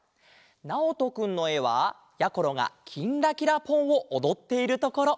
なおとくんのえはやころが「きんらきらぽん」をおどっているところ。